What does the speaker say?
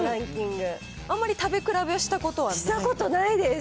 あまり食べ比べしたことはなしたことないです。